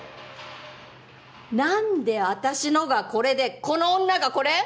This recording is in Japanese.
何で私のがこれでこの女がこれ？